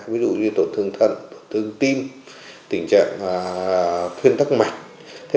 ví dụ như tổn thương thận tổn thương tim tình trạng thuyên tắc mạch